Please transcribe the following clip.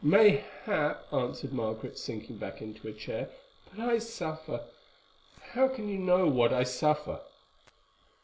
"Mayhap," answered Margaret, sinking back into a chair, "but I suffer—how can you know what I suffer?"